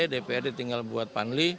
dprd tinggal buat panli